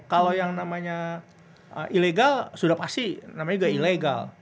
kalau yang namanya ilegal sudah pasti namanya juga ilegal